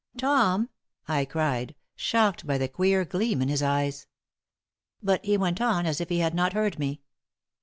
"Tom!" I cried, shocked by the queer gleam in his eyes. But he went on as if he had not heard me.